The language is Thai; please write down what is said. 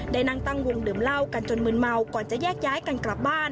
นั่งตั้งวงดื่มเหล้ากันจนมืนเมาก่อนจะแยกย้ายกันกลับบ้าน